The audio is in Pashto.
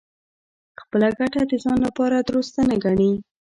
خپله ګټه د ځان لپاره دُرسته نه ګڼي.